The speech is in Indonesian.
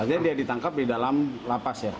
akhirnya dia ditangkap di dalam lapas ya